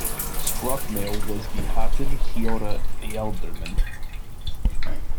Scrocmail was gehaten heora ealdormann.